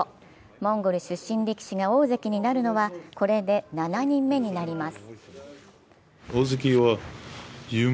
モンゴル出身力士が大関になるのはこれで７人目になります。